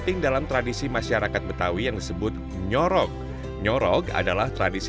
inilah yang menyebabkan ikan dengan nama latin